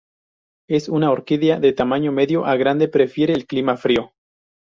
Es una orquídea de tamaño medio a grande, prefiere el clima frío.